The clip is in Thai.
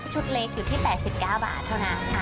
เล็กอยู่ที่๘๙บาทเท่านั้น